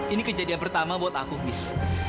ini kejadian pertama buat aku miss